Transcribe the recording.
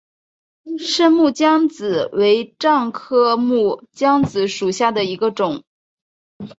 滇木姜子为樟科木姜子属下的一个种。